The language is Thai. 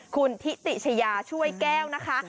คุณทิติชายาช่วยแก้วนะคะ